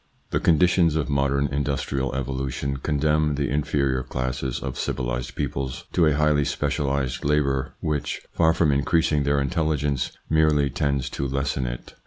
The conditions of modern industrial evolution condemn the inferior classes of civilised peoples to a highly specialised labour which, far from increasing their intelligence, merely tends to lessen it.